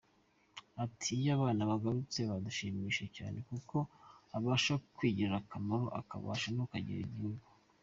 Ati “Iyo abana bagarutse biradushimisha cyane kuko abasha kwigirira akamaro akabasha no kukagirira igihugu.